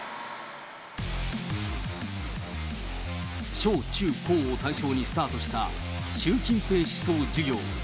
小、中、高を対象にスタートした習近平思想授業。